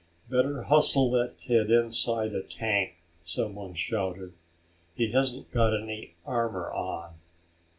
"Better hustle that kid inside a tank," someone shouted. "He hasn't got any armor on."